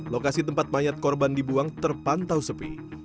lokasi tempat mayat korban dibuang terpantau sepi